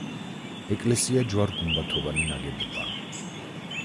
ეკლესია ჯვარ-გუმბათოვანი ნაგებობაა.